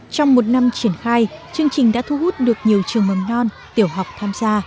trong một năm triển khai chương trình đã thu hút được nhiều trường mầm non tiểu học tham gia